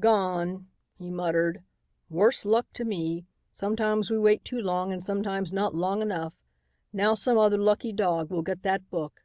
"Gone," he muttered. "Worse luck to me. Sometimes we wait too long and sometimes not long enough. Now some other lucky dog will get that book."